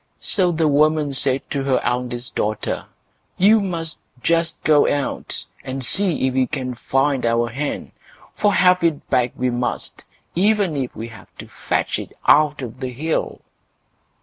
So the woman said to her eldest daughter, "You must just go out and see if you can find our hen, for have it back we must, even if we have to fetch it out of the hill."